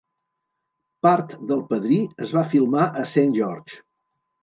Part d'"El padrí" es va filmar a Saint George.